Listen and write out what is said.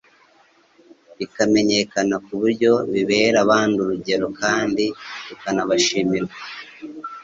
bikamenyekana ku buryo bibera abandi urugero kandi ukanabishimirwa